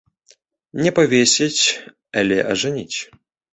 Не павесіць, але ажаніць.